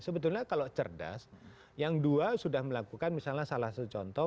sebetulnya kalau cerdas yang dua sudah melakukan misalnya salah satu contoh